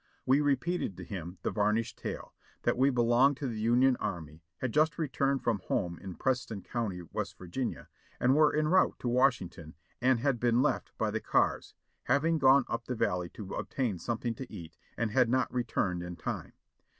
We repeated to him the varnished tale : that we belonged to the Union Army, had just returned from home in Preston County, West Virginia, and were en route to Washington, and had been left by the cars, hav ing gone up the valley to obtain something to eat and had not returned in time.